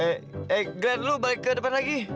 eh eh glenn lo balik ke depan lagi